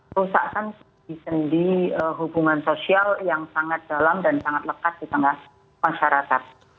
merusakkan bisnis di hubungan sosial yang sangat dalam dan sangat lekat di tengah masyarakat